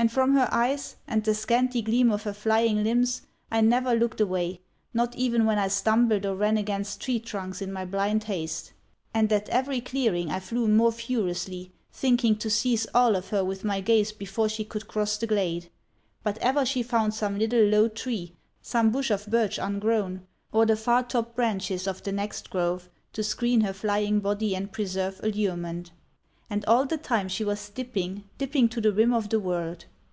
And from her eyes, and the scanty gleam of her flying limbs, I never looked away, not even when I stumbled or ran against tree trunks in my blind haste. And at every clearing I flew more furiously, thinking to seize all of her with my gaze before she could cross the glade; but ever she found some little low tree, some bush of birch ungrown, or the far top branches of the next grove to screen her flying body and preserve allurement. And all the time she was dipping, dipping to the rim of the world.